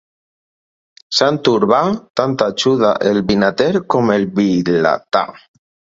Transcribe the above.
Sant Urbà tant ajuda el vinater com el vilatà.